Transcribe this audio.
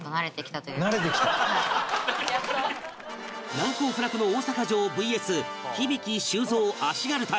難攻不落の大阪城 ＶＳ 響大・修造足軽隊